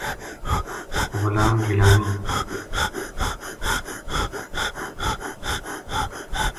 غلام جیلانی